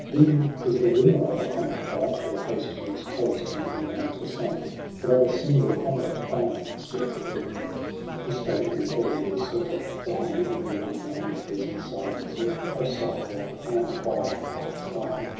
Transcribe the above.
Dim is the rumour of a common fight, Where host meets host, and many names are sunk: But of a single combat fame speaks clear.' He spoke; and Peran Wisa took the hand 86 SOHRAB AND RUSTUM. Of the young man in his, and sigh'd, and said :—' O Sohrab, an unquiet heart is thine